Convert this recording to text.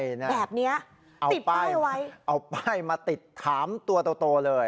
แบบเนี้ยเอาติดป้ายไว้เอาป้ายมาติดถามตัวโตเลย